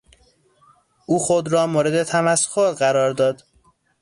او خود را مورد تمسخر قرار داد.